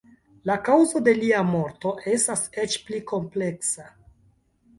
La kaŭzo de lia morto estas eĉ pli kompleksa.